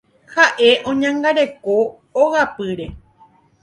Ha'e oñangareko ogapýre.